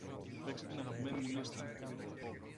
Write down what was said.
Παίξε την αγαπημένη μου λίστα.